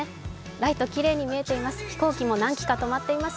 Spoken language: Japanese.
ライト、きれいに見えています。